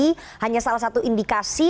apakah ini salah satu indikasi